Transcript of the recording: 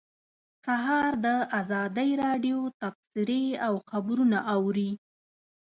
سهار د ازادۍ راډیو تبصرې او خبرونه اوري.